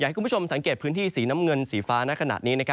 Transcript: ให้คุณผู้ชมสังเกตพื้นที่สีน้ำเงินสีฟ้าในขณะนี้